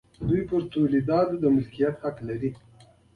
دوی پر تولیداتو مالکیت حق لري.